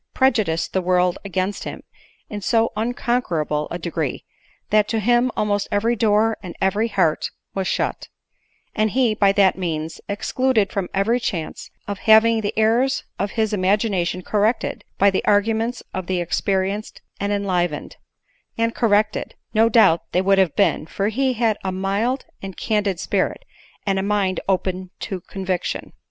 prejudiced the world against him in so unconquer able a degree, that to him almost every door and every heart was shut ; and he, by that means, excluded from every chance of having the errors of his imagination corrected by the arguments of the experienced and en lightened — and corrected, no doubt they would have been, for he had a mild and candid spirit, and a mind open to conviction.